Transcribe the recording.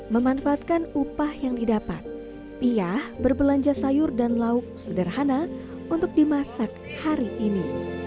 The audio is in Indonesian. memanfaatkan upah yang didapat piyah berbelanja sayur dan lauk sederhana untuk dimasak hari ini